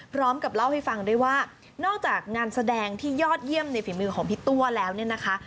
พร้อมกับเล่าให้ฟังด้วยว่านอกจากงานแสดงที่ยอดเยี่ยมในฝีมือของพี่ตัวแล้วเนี่ยนะคะ